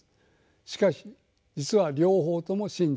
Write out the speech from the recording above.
しかし実は両方とも真実です。